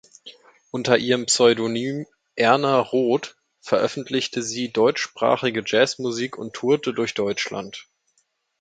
Unter ihrem Pseudonym "Erna Rot" veröffentlichte sie deutschsprachige Jazzmusik und tourte durch Deutschland.